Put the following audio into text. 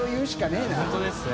いや本当ですね。